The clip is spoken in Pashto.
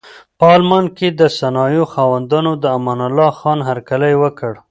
په المان کې د صنایعو خاوندانو د امان الله خان هرکلی وکړ.